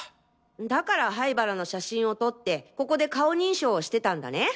だから灰原の写真を撮ってここで顔認証をしてたんだね。